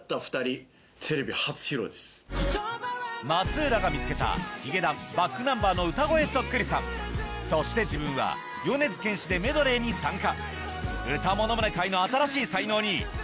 松浦が見つけた髭男 ｂａｃｋｎｕｍｂｅｒ の歌声そっくりさんそして自分は米津玄師でメドレーに参加